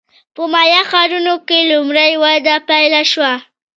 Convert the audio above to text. په مایا ښارونو کې لومړنۍ وده پیل شوه